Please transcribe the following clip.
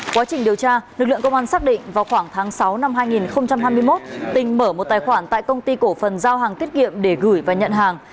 quá trình điều tra lực lượng công an xác định vào khoảng tháng sáu năm hai nghìn hai mươi một tình mở một tài khoản tại công ty cổ phần giao hàng tiết kiệm để gửi và nhận hàng